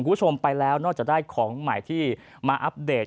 คุณผู้ชมไปแล้วนอกจากได้ของใหม่ที่มาอัปเดต